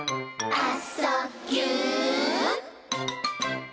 「あ・そ・ぎゅ」